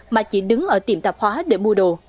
mà chỉ đứng ở tiệm tạp hóa để mua đồ